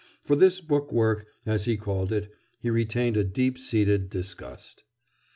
For this book work, as he called it, he retained a deep seated disgust.